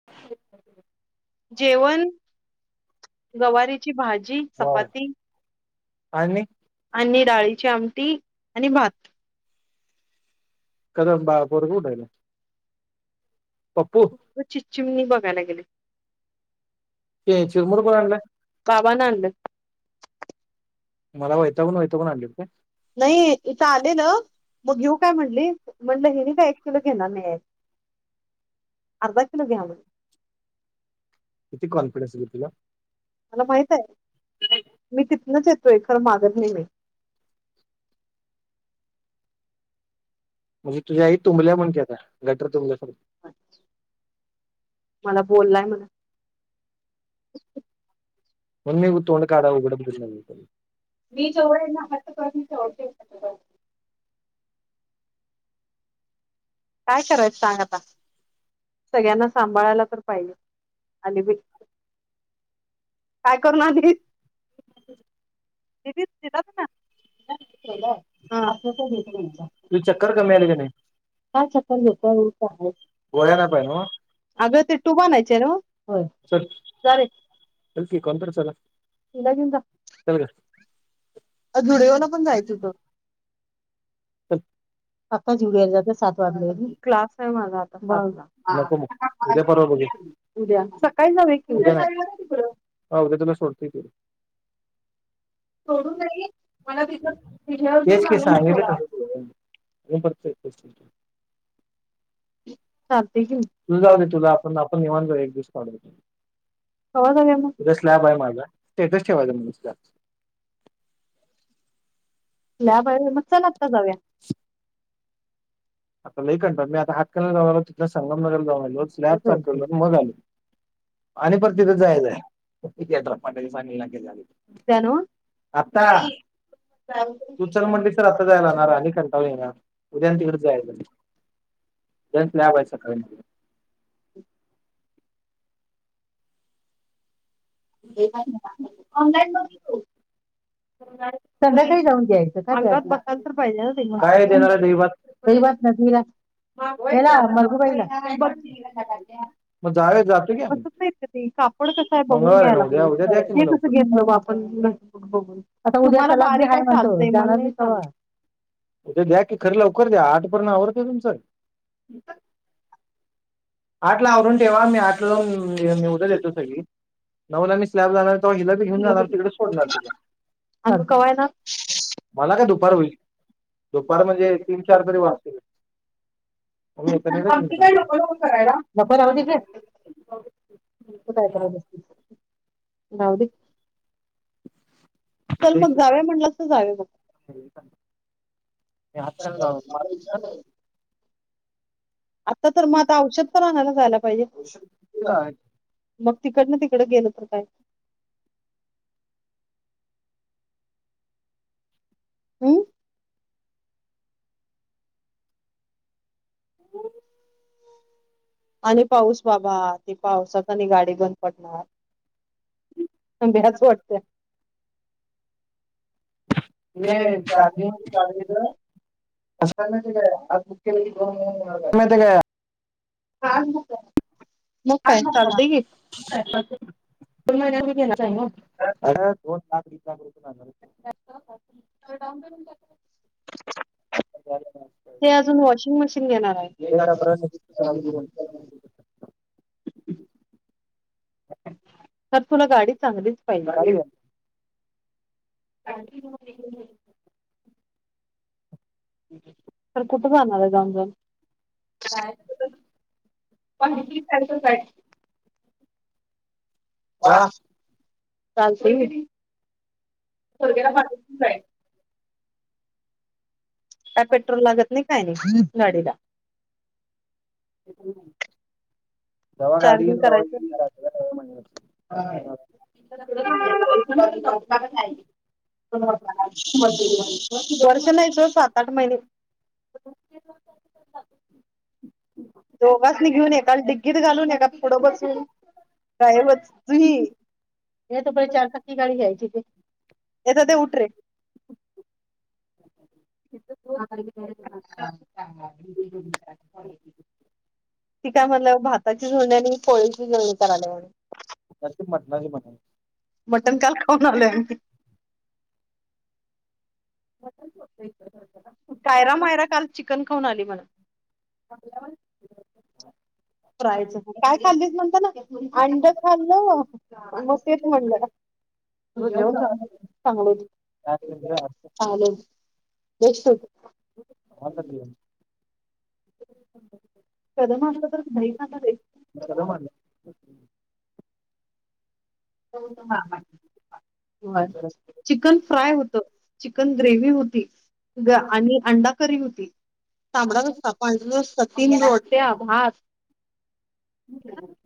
[unintelligible] जेवण? गवारीची भाजी, वाव चपाती आणि आणि डाळीची आमटी आणि भात. कदंबा पोरगं उठायलयं. पप्पू? उचि चिमणी बघायला गेले ते चिरमुर कोण आणलाय? कावान आणलत. मला वैतागून वैतागून आणलीत काय? नाही इथं आलेलं मग घेऊ काय म्हंटली, [inaudible] काय, एक किलो घेणार नाहीये अर्धा किलो घ्या मग. किती कॉन्फिडेंस रे तुला! मला माहित आहे. मी तिथनंच येतोय. खरं मागत नाही मी. म्हणजे तुझी आई तुंबल्या, म्हण की आता गटर तुंबल्या सारखं. अच्छा, मला बोललाय म्हण? म्हण मी उत् तोंड काढाय उघडत बिघडत नाही मग मी मी जवळेना हात [unintelligible] काय करायचं सांग आता सगळ्यांना सांभाळायला तर पाहिजे आली बई काय करूण आलीस? [unintelligible] दिदिच दिदाच ना [unintelligible] ठेवलंय हां तुझी चक्कर कमी आली का [unintelligible] नाही? काय चप्पल घेतोय अन इथं हायत. गोळ्यान पाइन ओ अगं ते टूब आनायचे नव्ह होय चल चालेेल चल की कोणतरी चला हिला घेऊन जा चल ग अ झुडिओला पण जायचं होतं. चल आता झुडिओला जाते सात वाजल्याव नी क्लास आहे माझा आता मग नको मग उद्या हां परवा बघूया उद्या सकाळी जा [unintelligible] हां उद्या तुला सोडतोय की हो सोडून नाही मग मला आता तिथं इथन [inaudible] हेच की सां [inaudible] हो [unintelligible] टेस्टींगच चालते की तुला जाऊ दे तुला आपण आपण निवांत जाऊ एक दिवस काढुन जाऊ कवा जाऊया मग तिथंच लॅब आहे माझा स्टेटस ठेवायचा मग नुसता लॅब आहे व्हय मग चल आता जाउया आता लई कंटाळ मी आता हात [unintelligible] जाऊ आलो तिथं संगम नगरला जाऊन आलोच लॅब चाकल्लन मग आले आणि पण तिथं जाय जाय किती आता पंढरी सामिल नाके झाले. त्याण ता तू चल म्हणलीस तर आता जायलाणार आणि कंटाळा येणार उद्या आणि तिकडचं जाय त्यांस लॅब हाय सकाळी [inaudible] खाऊन जायचं हो संध्याकाळी जाऊन घ्यायचं अंगात बसायला तर पाहिजे ना काय देणार आहे तिच्या दहीभात दही भात नदिला केला मरगुबाईला काय मग जाऊया जातो की आम्ही बसत नाहीत का ते काप थोडं कसं आहे बघून मंगळवार ना घ्यायला उद्या उद्या द्या पाहिजे की मग ते कसं लवकर घेतलं व आपण [unintelligible] बघून त उद्याला [unintelligible] उद्या घ्या की खरं लवकर घ्या आठ पर्यंत आवरतंय तुमचं आठला आवरून ठेवा मी आठला जाऊन मी उद्या देतो थैली नऊला मी स्लॅबला जाणारे तवा हिला घेऊन जाणार तिकडच सोडणार तुला आणि चालतं. कवाय ना मला काय दुपार होईल. दुपार म्हणजे तीन चार तरी वाजतील आम्ही येता नाही. कराया नको राहुदे ग. तु काय करायल्यास चल मग जाउया म्हणलं तर जाउया मग. ठीक आहे. हातलत माझ पण आता तर मग आता औषध तर आणायला जायला पाहिजे. औध मग तिकड ना तिकडं गेलं तर काय हम, हम आणि पाऊस बाबा ती पावसात आणि गाडी बंद पडणार. बेयाच वाटत्या. ते चार्जिंग होतं गाडीच. कसा हाय माहिती का आज बुक केल की दोन महिन्यान मिळनार गाड़ी. माहिती काय आज बुक झाल्या काय. आज बुक करा. चालतंय की दोन लाख तीस लाख रुपय लागणार अजून आहेत ते. वॉशिंग मशीन घेणार आहे एक बटा बर हजारात आणि दोनशे ब रुपयाला. [inaudible] तर तुला गाडी चांगलीच पाहिजे. गाडी घे मग. तर कुठे जाणार आहे जाऊन जाऊन. काय. काय तर सारखं [unintelligible] वा चालतय की पोरग्याला पाठवतो. काय पेट्रोल लागत नाही काय नाही गाडीला. पेट्रोल नाही. जव्हा गाडी चार्जिंग घेन तव्हा करायचं घेऊन [unintelligible] जात हा. म्हण [unintelligible] वर्ष नाही सोडा सात आठ महिने. [inaudible] दोघासनी घेऊन एका काल डीग्गीत घालून एका थोडं बसून गायबच जुई. हे त प चार चाकी गाडी जायची. हो. हां, [inaudible] ती काय म्हणल भाताची जुळणी आणि पोळीची जुळणी करायल्या म्हणे. झालती मटणाची म्हणायचं. मटन काल खाऊन आलोय आमी. मटन सोडलय ग रंजना. कायरा मायरा काल चिकन खाऊन आली म्हण. हॅलो [inaudible] फ्राय करायचं काय खाल्लीस म्हणता ना अंड खाल्लं म तेच म्हणलं. तुझं जेवण सांग चांगलेत चांगलेत. एस् [unintelligible] आत्ता ती येईल. गरम असल तर दही कांदा. मी त्याला म्हणलं हो मामा ही माझी भाची. चिकन फ्राय होत चिकन ग्रेव होती ग आणि अंडा. री होती तांबडा रहा पांढरा रसा तीन रोट्या भात.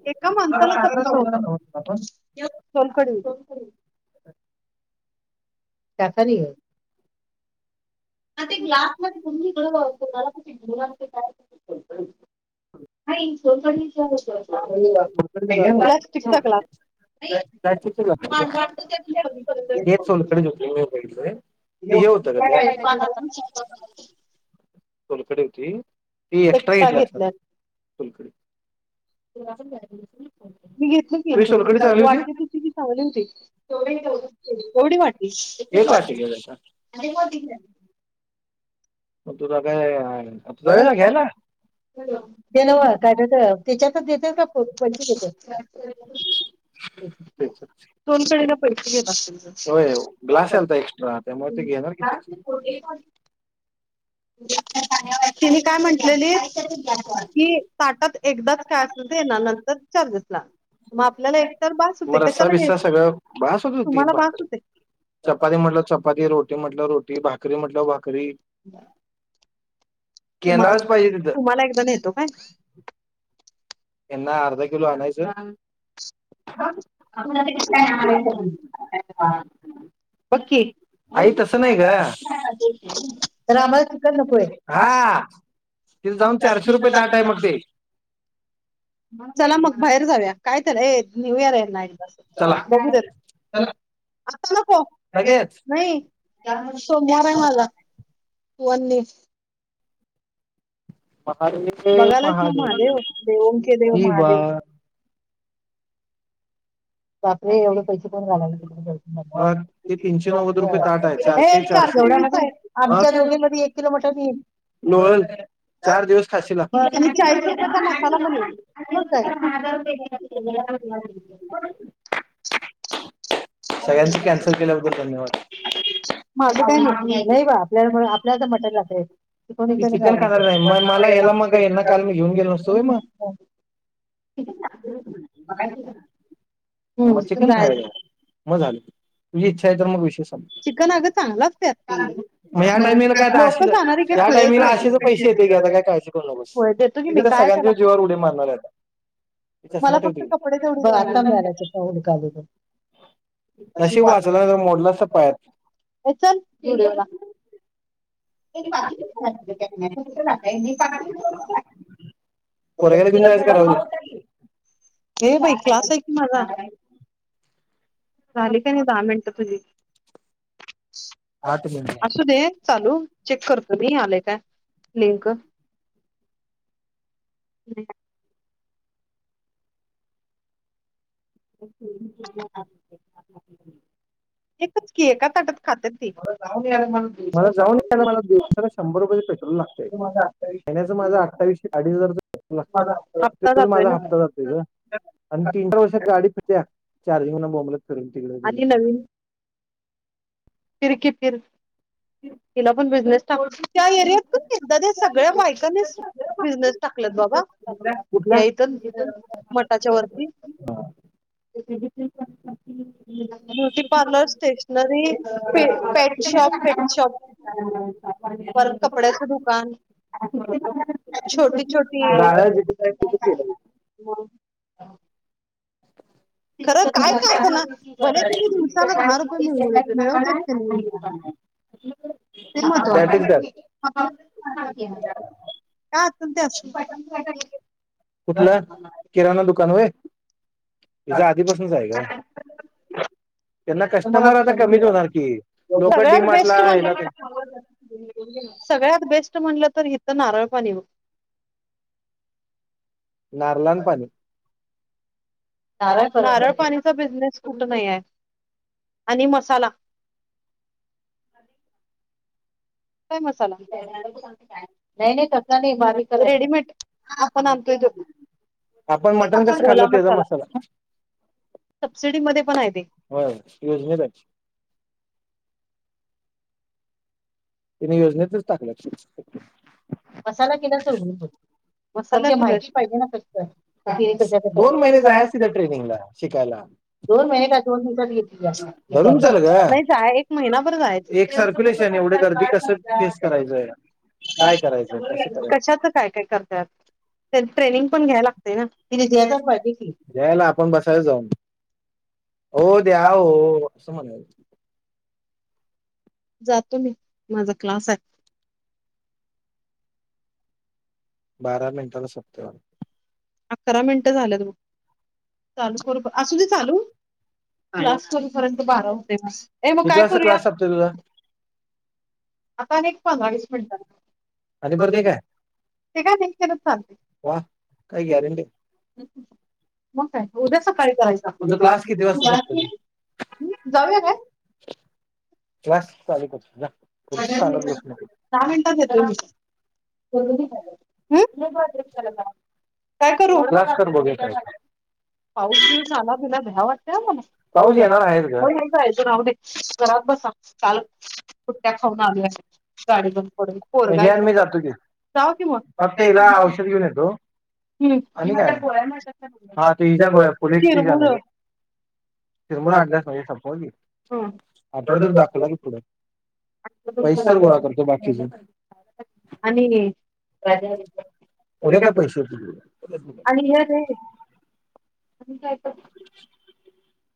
एका माणसाला चक्काव [inaudible] मटनाचा, [unintelligible] सोलकढी सोलकढी. चा खाही हो. हा ते ग्लास मध्ये गुंदि नरपती [unintelligible] नाही पिक क्लासला [inaudible] एक पांढरत होतं त्यात मी बघितलं. बघितले ते हे होतं ग त्यात. हो [inaudible] सोलकढी होती ती एक्स्ट्रा घेतली सोलकडी. मी घेतली ये सोलकढी की चांगली होती. वाटली तिची की चांगली होती एवढी वाटली एक वाटी घ्यायला सांग. तुझ काय आता जाऊया की हाय ना. ते नव काय त्याच्यात देतात का पैसे देतात. सोलकढीला पैसे घेत असतील होय ग्लास तर. आलता एक्स्ट्रा त्यामुळे ते हम घेणार का किती [unintelligible] एक नाही. त्यांनी कायं म्हटलेली कि ताटांत एकदाचं कायं असलं ते येणारं नां नंतर चार्जेस लागले मंग आपल्यांला एक दारं बांस होते मग रस्सा कशालां बिस्सा घ्यांयचं सगळं बास होत होती तुम्हांला भांस होते मंगे रोटी म्हटलं रोटी भाकरी म्हटलं की भाकरी बरं केंद्राच पाहिजे तिथं तुम्हांला एकदां नेतो कायं त्यांनां अर्ध्या किलो आणायचं अं आपणं आतां कुठूनं आनायचं बघ की आई तसं नाहिं तर गं आम्हाला चिकन नकोय हां तिथं जाऊंन चारशे रुपये चं आणलं आहे मंग ते चलां मंग बाहेर जांऊयां कायं तरं ये न्यू इयंर आहे नां चला एकदां बघूं आतां नको लगेच नाहीं सोमवार आहे मलां वंन ऐ बाहांर मी बघालंच नां महादेव देव ओं केे देव शिवा महादेव बापरे एवढं पैसे कोणं घालविन मग ते तिकडे तीनशे नव्वद रुपये ताट आहे चं ऐ चारशे विस हायं आमच्यां दोघेमध्यें एक किलो मटंण येईल लोळलं चार दिवसं खांशील आ बरं आणि चाळीस रुपयाचा मसाला पण केा किंवा क्रिकेट [unintelligible] सगळ्यांचे माझं कॅन्सल केल्याबद्दल धन्यवाद कांहीं नाहीं बां आपल्यांला लंच मी चिकन मटंन खाणार नाही मग मला रहाते याला मग यांना आहे काल मी घेऊन तेणी [unintelligible] मंग हम्म, चिंकन जाय खांयला ये मंग आलो तुझी ईच्छा आहे तरं मंग विषय चिकन अगं चांगलं असते संपला मंग यां टाइमिंगला लोक कायंशील जाणारी काय यां खुळे टाइमंगलां असेच पैसे येते की आतां कायं काळजि करूं नको खुळे बसं देतो की मी तरं काय सगळ्यांच्या त्याला जीवांवर उडीे मारणांर आहे. आतां चष्मा मला फक्त ठेवतील कपडे तेवढे बघ द्यायचे. आता मिळाला चक्का हुडका आलो नशिब वां तुझां जरं मोडलां असतां पांय ए, चल एक पा क पा [unintelligible] पोरग्याला घेऊन जायचं का राहू दे? ये बांई क्लांस आहे कि मांझां झालीं की नाहीं दहा मिनिटं तुझी आठ मिनिट अंसू दे चालूं चेक करतो मी आले कायं लिंक ह् [unintelligible] ठी [unintelligible] [unintelligible] एकचं की एकांच ताटांत खांता ते मलां जाऊंन यांयला मलां दिवसालां शंभर रुपये पेट्रोल लागतंय माझां अठ्ठावीशे अडीचं हजार हप्ता रुपये जातोय माझां ना हफ्ता जातो आणि तीनं चार वर्षात गांडी चार्जिंग मोगलीतं चलं तिकडं. आधी नवीन फिरकी फिरं तिलां पणं बिझनेस टांक ह [unintelligible] सगळ्यां बायकांनेच बिझनेस टांकलाय बाबां कुठल्या इथं. मठाच्यां वरती ह [unintelligible] beauty parlour stationery paint shop pet shop परंत कपडयांची. दुकानं छोटी. गाळा छोटी. खरं काय का असेना आणि भले त्यांनी दिवसाला दहा रुपये मिळवले [unintelligible] मिळवतात त्यांनी [unintelligible] हम्मं ते मत वाटते. आपलं [unintelligible] काय असल ते असल. कुठलं, किराणा दुकान वय, त्याज आधीपासनच आहे ग. त्यांना कस्टमर आता कमीच होणार की, लोक डी सगळ्यात मार्टला बेस्ट हेला तेन म्हणलं सगळ्यात बेस्ट म्हणलं तर हिथं नारळ पाणी ब. नारलान पाणी. नारळ पाणीचा बिझनेस कुठ नाही आहे, आणि मसाला. ते मसाला. नाही नाही तस नाही बारीक करायच, रेडीमेड, आपण आणतोय तो. आपण मटण आपन कसं खाल्ल ओला त्याचा मसाला, सबसिडी मध्ये पण आहे ते. होय, योजनेत हाय. तिने योजनेतच टाकल्यात सोड. मसाला केल्यात दोघींनी पण. मसाला माहिती पाहिजे ना कशाचा आहे, का तिनी कशाचा दोन महिने जायाच तिथं करतात. ट्रेनिंगला शिकायला [unintelligible] दोन महिने काय दोन दिवसात घेतली धरून चाल ग [unintelligible] नाही जा एक महिना भर जाया एक सर्क्युलेशन एवढी गर्दी कसं फेस करायचंय [unintelligible] काय? करायचं कसं करायचं कशाच काय काय करताय आता. ट्रनिंग पण घ्यायला लागतय ना, [unintelligible] दे की. त्यावेळेला आपण बसायच जाऊन, हो द्या हो अस म्हणायचं. जातो मी, माझा क्लास हाय. बारा मिनिटाला सपत वाटत. अकरा मिनिट झाल्यात ब, चालू करू का असू दे चालू, क्लास करून तोपर्यंत बारा होते म, ये वाटतं मग किती काय वाजता करूया? क्लास सपतोय तुझा आता अनेक पंधरा वीस मिनिट, आणि परत एक [unintelligible] आहे ते काय नाही केलं चाल वा! काय गॅरेंटी? मग काय उद्या सकाळी करायच आपण, तुझा क्लास किती वाजता कितीला सपतोय [unintelligible] हम जाऊया काय? क्लास चालू कर जा, पुढच सांगत बसू नको, दहा मिनिटात येतो कशाला? मी हं? काय करू [unintelligible] क्लास कर किती बघूया वाजता? काय होतय. पाऊस नीट झाला तुला भ्या वाटत्या आ मम्मे, पाऊस येणार आहेच ग [unintelligible] फैजू नाव दे, घरात बसा, काल सुट्ट्या खाऊन आलोय, गाडी बंद पडल पोरगं हे हाय आणि मी तिथं. जातो की जावा की म, फक्त हिला औषध आवरून घेऊन नेतो, येतो हम्म आणि काय माझ्या गोळ्या, आणि काय? हा ते तुमच्या हिच्या गोळ्या दिले, पोलिसची चिरमुर. आणायच्या चिरमुर आणल्यास म्हणजे संपवा की [unintelligible] हा [unintelligible] पैस तर गोळा करतो बाकीच. आणि सगळे उद्या काय पैसे येतील आणि हे की [unintelligible] रे आणि काय तर